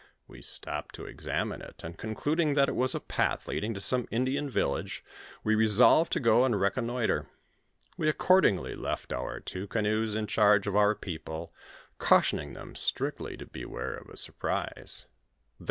We stopped to examine it, and concluding that it was a path leading to some Indian village, we resolved to go and reconnoitre ; we accordingly left our two canoes in charge of our people, cautioning them strictly to beware of a surprise ; then M.